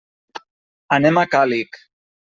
Anem a Càlig.